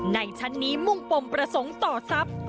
ในชั้นนี้มุ่งปมประสงค์ต่อทรัพย์